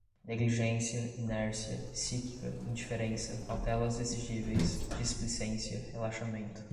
negligência, inércia, psíquica, indiferença, cautelas exigíveis, displicência, relaxamento